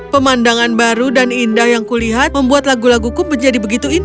pemandangan baru dan indah yang kulihat membuat lagu lagu saya sangat menyenangkan